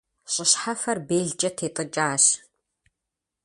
ЩӀы щхьэфэр белкӀэ тетӀыкӀащ.